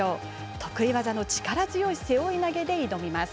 得意技の力強い背負い投げで挑みます。